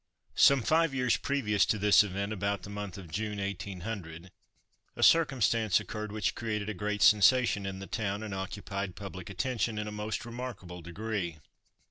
Some five years previous to this event, about the month of June, 1800, a circumstance occurred which created a great sensation in the town, and occupied public attention in a most remarkable degree.